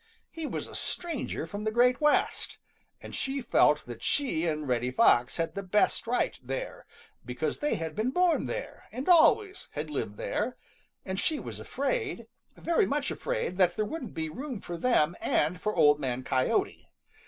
He was a stranger from the Great West, and she felt that she and Reddy Fox had the best right there, because they had been born there and always had lived there; and she was afraid, very much afraid, that there wouldn't be room for them and for Old Man Coyote.